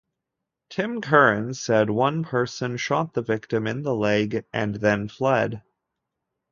Tim Curran said one person shot the victim in the leg and then fled.